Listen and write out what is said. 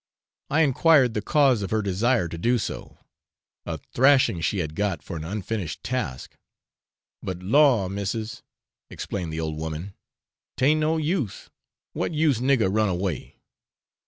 I enquired the cause of her desire to do so a 'thrashing' she had got for an unfinished task 'but lor, missis,' explained the old woman, 'taint no use what use nigger run away?